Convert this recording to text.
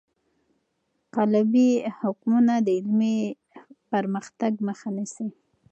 قالبي حکمونه د علمي پرمختګ مخه نیسي.